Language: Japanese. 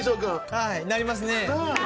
はい、なりますね。